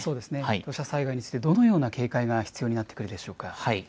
土砂災害についてどのような警戒が必要になってくるでしょう